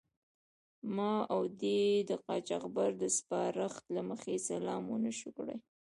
ما او دې د قاچاقبر د سپارښت له مخې سلام و نه شو کړای.